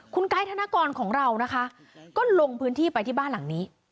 คุณไกด์ธนกรของเรานะคะก็ลงพื้นที่ไปที่บ้านหลังนี้